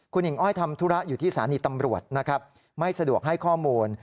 คุณหญิงอ้อยทำธุระอยู่ที่สถานีตำรวจนะครับไม่สะดวกให้ข้อมูล